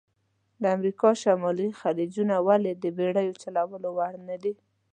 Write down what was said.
د امریکا شمالي خلیجونه ولې د بېړیو چلول وړ نه دي؟